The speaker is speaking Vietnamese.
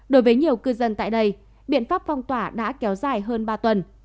đối với nhiều cư dân tại đây biện pháp phong tỏa đã kéo dài hơn ba tuần